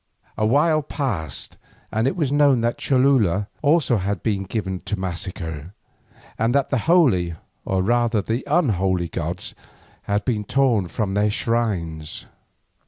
A while passed and it was known that Cholula also had been given to massacre, and that the holy, or rather the unholy gods, had been torn from their shrines.